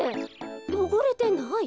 よごれてない。